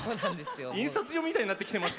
印刷所みたいになってきてて。